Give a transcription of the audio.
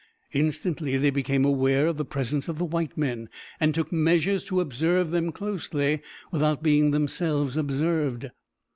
Instantly they became aware of the presence of the white men, and took measures to observe them closely without being themselves observed.